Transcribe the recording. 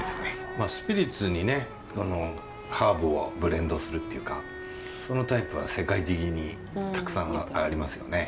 まあスピリッツにねハーブをブレンドするっていうかそのタイプは世界的にたくさんありますよね。